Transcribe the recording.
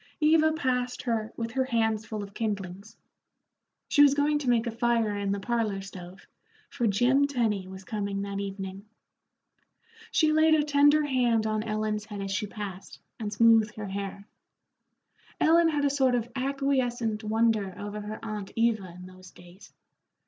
Eva passed her with her hands full of kindlings. She was going to make a fire in the parlor stove, for Jim Tenny was coming that evening. She laid a tender hand on Ellen's head as she passed, and smoothed her hair. Ellen had a sort of acquiescent wonder over her aunt Eva in those days.